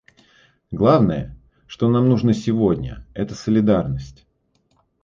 Главное, что нам нужно сегодня, это солидарность.